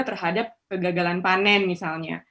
terhadap kegagalan panen misalnya